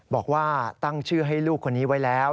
บอกว่าตั้งชื่อให้ลูกคนนี้ไว้แล้ว